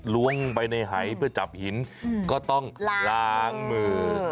ล้วงไปในหายเพื่อจับหินก็ต้องล้างมือ